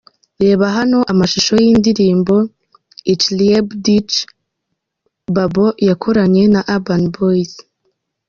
Reba hano amashusho y’indirimbo ‘Ich liebe dich’ Babo yakoranye na Urban Boys .